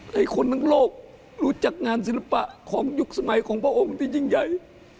ให้คนทั้งโลกรู้จักงานศิลปะของยุคสมัยของพระองค์ที่ยิ่งใหญ่